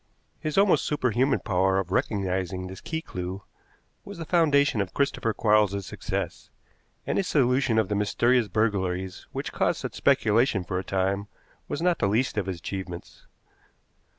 His almost superhuman power of recognizing this key clew was the foundation of Christopher Quarles's success, and his solution of the mysterious burglaries which caused such speculation for a time was not the least of his achievements.